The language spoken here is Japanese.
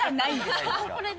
これで。